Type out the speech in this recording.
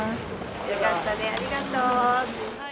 よかったね、ありがとう。